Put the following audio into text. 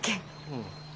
うん。